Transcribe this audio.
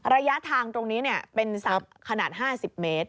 ระยะทางตรงนี้เป็นขนาด๕๐เมตร